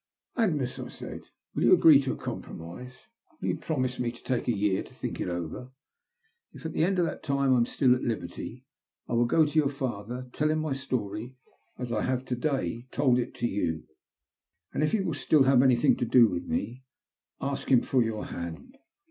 Agnes," I said, will you agree to a compromise 7 Will you promise me to take a year to think it over? If at the end of that time I am still at liberty I will go to your father, tell him my story as I have to day told "God bless you, darling,' I answered." I TELL MY STOBT. 249 it to yoa, and, if he will still have anything to do with me, ask him for your hand.